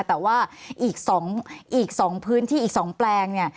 แต่ว่าอีก๒พื้นที่อีก๒แปลงเนี่ย